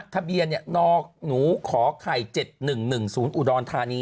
ทะเบียนนหนูขอไข่๗๑๑๐อุดรธานี